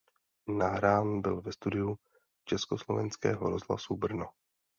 Nahrán byl ve studiu Československého rozhlasu Brno.